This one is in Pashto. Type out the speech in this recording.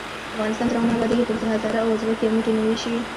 افغانستان تر هغو نه ابادیږي، ترڅو هزاره او ازبک یو موټی نه وي شوي.